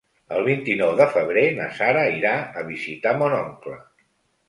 El vint-i-nou de febrer na Sara irà a visitar mon oncle.